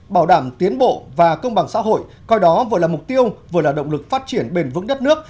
bảo đảm tiến bộ và công bằng xã hội coi đó vừa là mục tiêu vừa là động lực phát triển bền vững đất nước